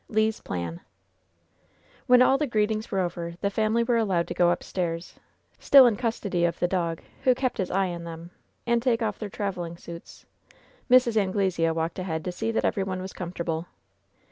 CHAPTER XXIII When all the greetings were over the family were allowed to go upstairs — styi in custody of the dog, who kept his eye on them — and take off their traveling suits. Mrs. Anglesea walked ahead to see that every one was comfortable.